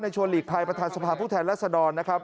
ชวนหลีกภัยประธานสภาพผู้แทนรัศดรนะครับ